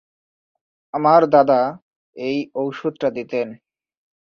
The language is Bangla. আমার দাদা এই অষুধটা দিতেন।